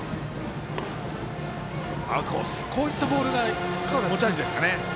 こういったボールが持ち味ですかね。